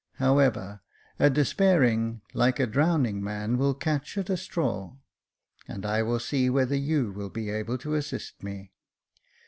However, a despairing, like a drowning man, will catch at a straw ; and I will see whether you will be able to assist me."